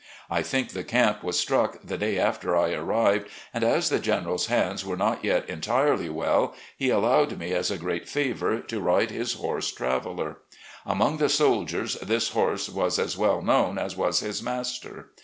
I think the camp was struck the day after I arrived, and as the General's hands were not yet entirely well, he allowed me, as a great favour, to ride his horse "Trav eller. '' Amongst the soldiers this horse was as well known as was his master.